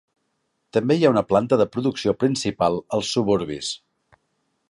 També hi ha una planta de producció principal als suburbis.